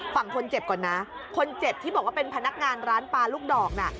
ฝั่งคนเจ็บก่อนนะคนเจ็บที่บอกว่าเป็นพนักงานร้านปลาลูกดอกน่ะ